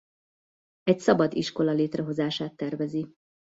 Egy szabad iskola létrehozását tervezi.